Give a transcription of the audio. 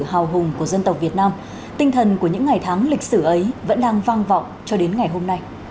hào hùng của dân tộc việt nam tinh thần của những ngày tháng lịch sử ấy vẫn đang vang vọng cho đến ngày hôm nay